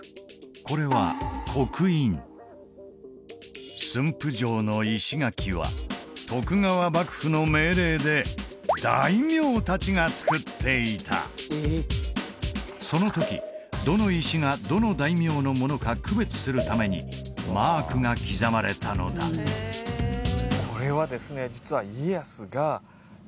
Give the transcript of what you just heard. これは刻印駿府城の石垣は徳川幕府の命令で大名達がつくっていたその時どの石がどの大名のものか区別するためにマークが刻まれたのだこれはですね